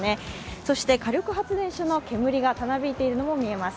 そして火力発電所の煙がたなびいているのも分かります。